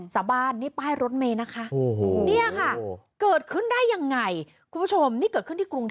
ซ่าบ้านนี่ป้ายรถเมล์นะคะ